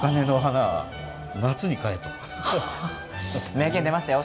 名言、出ましたよ。